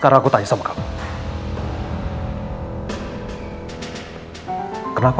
kalau gue yang suruh matteo ke rumahnya